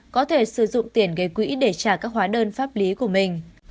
có thể sử dụng tiền gây quỹ để trả các hóa đơn pháp lý của mình